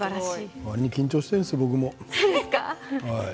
わりに緊張しているんです僕も。